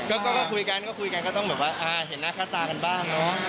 ก็คุยกันก็คุยกันก็ต้องแบบว่าเห็นหน้าค่าตากันบ้างเนอะ